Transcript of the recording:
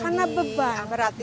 karena beban yang diangkat itu